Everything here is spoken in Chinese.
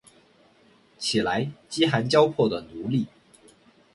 起来，饥寒交迫的奴隶！